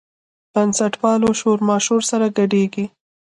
بنسټپالو شورماشور سره ګډېږي.